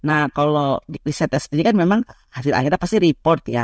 nah kalau risetnya sendiri kan memang hasil akhirnya pasti report ya